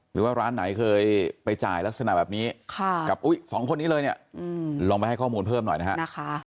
หรือว่าร้านไหนเคยไปจ่ายลักษณะแบบนี้กับสองคนนี้เลยเนี่ยลองไปให้ข้อมูลเพิ่มหน่อยนะฮะ